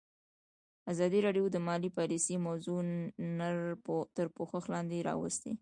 ازادي راډیو د مالي پالیسي موضوع تر پوښښ لاندې راوستې.